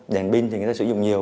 đèn pin thì người ta sử dụng nhiều